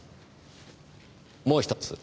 もう一つ。